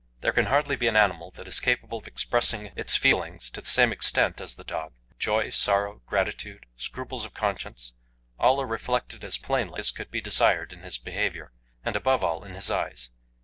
There can hardly be an animal that is capable of expressing its feelings to the same extent as the dog. Joy, sorrow, gratitude, scruples of conscience, are all reflected as plainly as could be desired in his behaviour, and above all in his eyes.